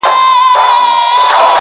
څلور پښې يې نوري پور كړې په ځغستا سوه-